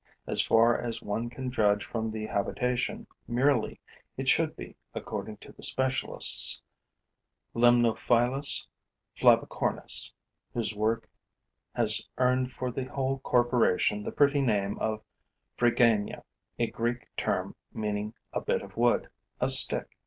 As far as one can judge from the habitation merely, it should be, according to the specialists, Limnophilus flavicornis, whose work has earned for the whole corporation the pretty name of Phryganea, a Greek term meaning a bit of wood, a stick.